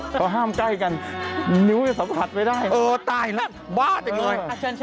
พอห้ามใกล้กันนิ้วสัมผัสไม่ได้เออตายแล้วบ้าจังเลย